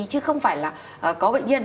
chứ không phải là có bệnh nhân